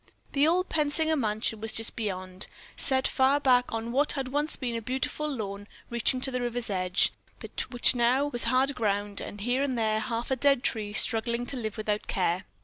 The old Pensinger mansion was just beyond, set far back on what had once been a beautiful lawn, reaching to the river's edge, but which was now hard ground with here and there a half dead tree struggling to live without care.